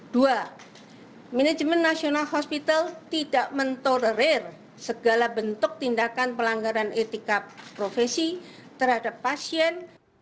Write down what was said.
dua manajemen nasional hospital tidak mentolerir segala bentuk tindakan pelanggaran etika profesi terhadap pasien